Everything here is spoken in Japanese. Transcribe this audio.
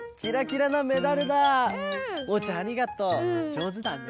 じょうずだね。